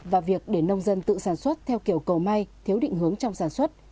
và việc để nông dân tự sản xuất theo kiểu cầu may thiếu định hướng trong sản xuất